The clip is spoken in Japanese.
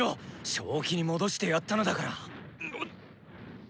正気に戻してやったのだから！